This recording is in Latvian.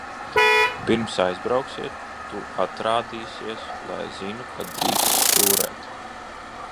Pirms aizbrauksiet, tu atrādīsies, lai zinu, ka drīksti stūrēt.